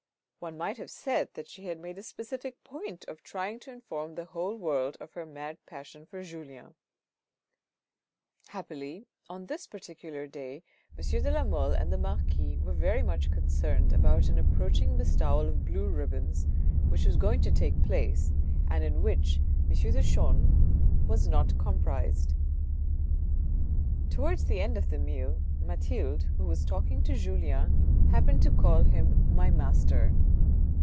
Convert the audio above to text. One might have said that she had made a specific point of trying to inform the whole world of her mad passion for Julien. Happily on this particular day M. de la Mole and the marquis were very much concerned about an approaching bestowal of " blue ribbons " which was going to take place, and in which M. de Chaulnes was not comprised. Towards the end of the meal, Mathilde, who was talking to Julien, happened to call him " My Master."